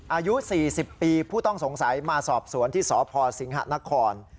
อายุ๔๐ปีผู้ต้องสงสัยมาสอบสวนที่สพสิงหะนคร